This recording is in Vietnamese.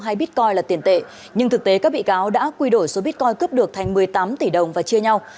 hay bitcoin là tiền tệ nhưng thực tế các bị cáo đã quy đổi số bitcoin cướp được thành một mươi tám tỷ đồng và chia nhau